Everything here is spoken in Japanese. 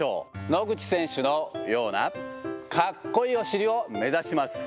野口選手のようなかっこいいお尻を目指します。